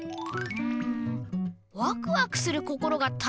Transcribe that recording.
うん？